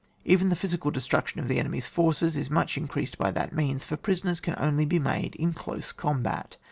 Even the physical destruction of the enemy's forces is very much in creased by that means, for prisoners can only be made in close combat.